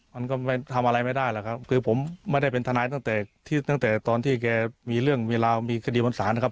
มันก็ทำอะไรไม่ได้แหละครับคือผมไม่ได้เป็นทนายตั้งแต่ตอนที่แกมีเรื่องมีลาวมีคดีบรรษานะครับ